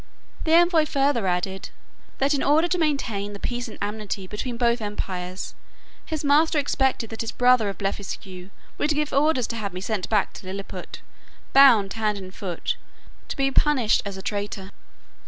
The envoy further added, "that in order to maintain the peace and amity between both empires, his master expected that his brother of Blefuscu would give orders to have me sent back to Lilliput, bound hand and foot, to be punished as a traitor."